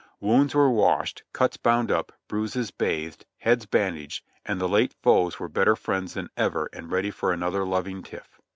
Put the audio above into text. Wounds were washed, cuts bound up, bruises bathed, heads bandaged, and the late foes were better friends than ever and ready for another loving tiff.